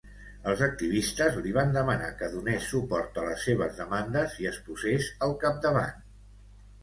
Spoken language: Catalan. Els activistes li van demanar que donés suport a les seves demandes i es posés al capdavant.